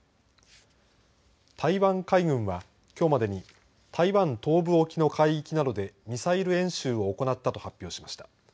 台湾海軍は、きょうまでに台湾東部沖の海域などでミサイル演習を行ったと発表しました。